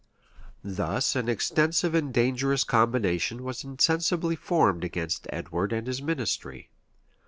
[] Thus an extensive and dangerous combination was insensibly formed against Edward and his ministry.